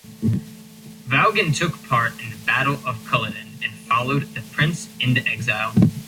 Vaughan took part in the Battle of Culloden and followed the Prince into exile.